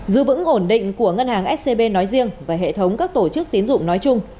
giữ vững ổn định của ngân hàng scb nói riêng và hệ thống các tổ chức tiến dụng nói chung